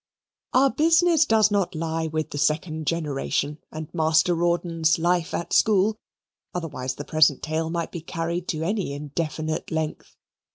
Our business does not lie with the second generation and Master Rawdon's life at school, otherwise the present tale might be carried to any indefinite length.